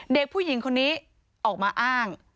เด็กผู้หญิงคนนี้ออกมาอ้าง